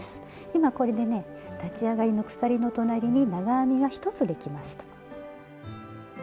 今これでね立ち上がりの鎖の隣に長編みが１つできました。